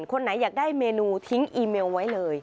คนไหนอยากได้เมนูทิ้งอีเมลไว้เลย